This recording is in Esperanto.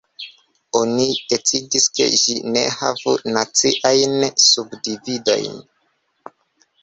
Oni decidis, ke ĝi ne havu naciajn subdividojn.